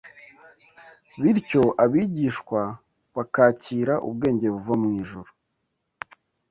bityo abigishwa bakakira ubwenge buva mu ijuru.